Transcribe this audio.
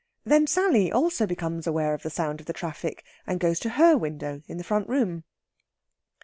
Then Sally also becomes aware of the sound in the traffic, and goes to her window in the front room.